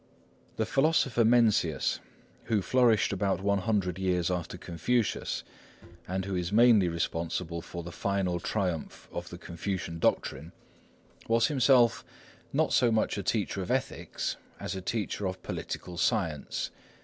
The philosopher Mencius, who flourished about one hundred years after Confucius, and who is mainly responsible for the final triumph of the Confucian doctrine, was himself not so much a teacher of ethics as a teacher of political science.